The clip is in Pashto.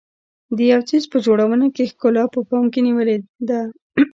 د یو څیز په جوړونه کې ښکلا په پام کې نیولې ده.